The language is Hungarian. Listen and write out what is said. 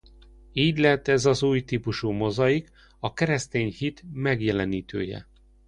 Így lett ez az új típusú mozaik a keresztény hit megjelenítője.